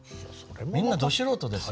みんなど素人ですよ。